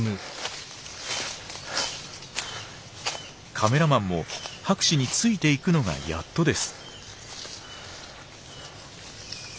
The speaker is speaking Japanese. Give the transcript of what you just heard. カメラマンも博士についていくのがやっとです。